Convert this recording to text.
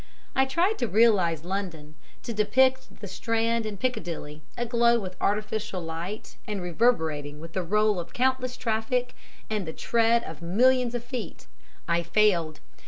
I tried to realize London to depict the Strand and Piccadilly, aglow with artificial light and reverberating with the roll of countless traffic and the tread of millions of feet. "I failed.